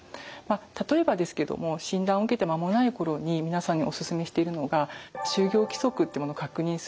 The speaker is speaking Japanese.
例えばですけども診断を受けて間もない頃に皆さんにお勧めしているのが就業規則ってものを確認する。